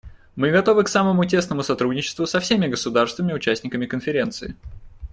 Мы готовы к самому тесному сотрудничеству со всеми государствами − участниками Конференции.